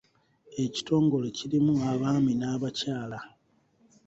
Ekitongole kirimu abaami n'abakyala.